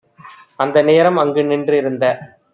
அந்த நேரம் அங்குநின் றிருந்த